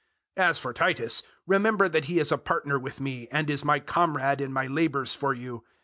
008:023 As for Titus, remember that he is a partner with me, and is my comrade in my labours for you.